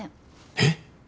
えっ！？